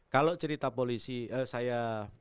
kalau cerita polisi saya